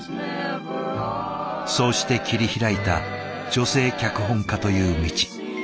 そうして切り開いた女性脚本家という道。